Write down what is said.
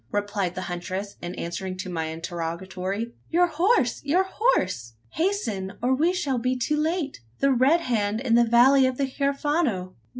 replied the huntress, in answer to my interrogatory. "Your horse! your horse! Hasten, or we shall be too late. The Red Hand in the valley of the Huerfano!